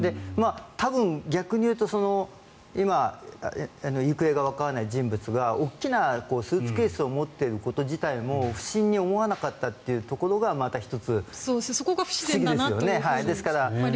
多分、逆に言うと今、行方がわからない人物が大きなスーツケースを持っていること自体も不審に思わなかったというところがまた１つ不思議ですよね。